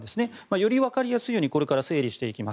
よりわかりやすいようにこれから整理していきます。